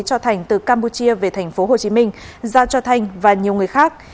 cho thành từ campuchia về tp hcm giao cho thanh và nhiều người khác